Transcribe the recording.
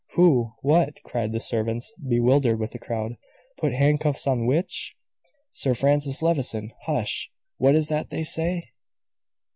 Who? What?" cried the servants, bewildered with the crowd. "Put handcuffs on which?" "Sir Francis Levison. Hush! What is that they say?"